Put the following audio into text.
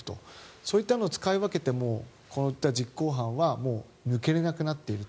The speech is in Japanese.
そういったものを使い分けてこういった実行犯は抜けられなくなっていると。